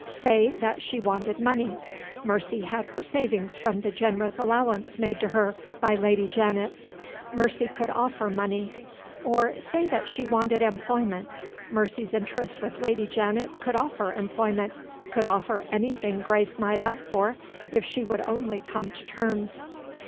Say that she wanted money, Mercy had her savings from the generous allowance made to her by Lady Janet; Mercy could offer money. Or say that she wanted employment, Mercy's interest with Lady Janet could offer employment, could offer anything Grace might ask for, if she would only come to terms.